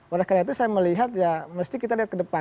oleh karena itu saya melihat ya mesti kita lihat ke depan